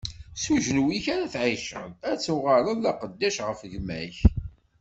S ujenwi-k ara tɛiceḍ, ad tuɣaleḍ d aqeddac ɣef gma-k.